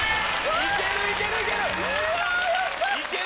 いけるいけるいける！